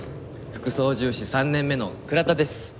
副操縦士３年目の倉田です」